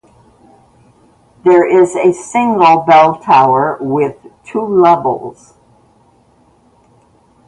There is a single bell tower with two levels.